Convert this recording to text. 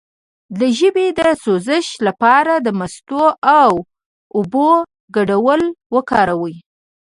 د ژبې د سوزش لپاره د مستو او اوبو ګډول وکاروئ